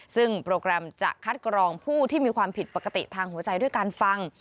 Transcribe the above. ซึ่งโปรแกรมจะคัดกรองผู้ที่มีความผิดปกติทางหัวใจด้วยการฟัง